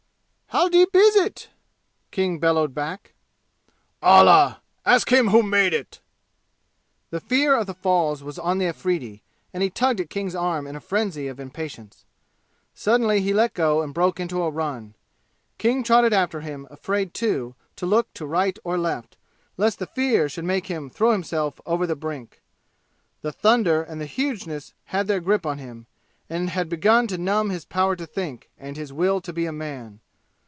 "How deep is it?" King bellowed back. "Allah! Ask Him who made it!" The fear of the falls was on the Afridi, and he tugged at King's arm in a frenzy of impatience. Suddenly he let go and broke into a run. King trotted after him, afraid too, to look to right or left, lest the fear should make him throw himself over the brink. The thunder and the hugeness had their grip on him and had begun to numb his power to think and his will to be a man.